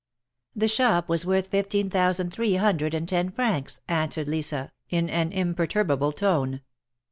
" The shop was worth fifteen thousand three hundred and ten francs," answered Lisa, in an imperturbable tone.